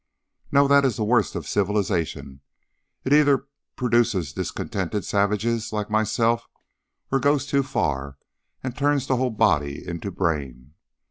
"No, that is the worst of civilization. It either produces discontented savages like myself or goes too far and turns the whole body into brain.